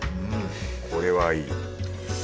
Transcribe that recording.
これはいい。